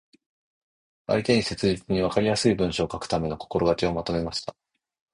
相手に誠実に、わかりやすい文章を書くための心がけをまとめました。